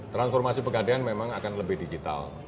transformasi pegadaian memang akan lebih digital